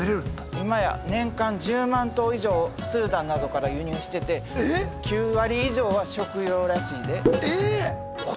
今や年間１０万頭以上をスーダンなどから輸入してて９割以上は食用らしいで。